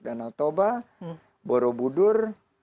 danal toba borobudur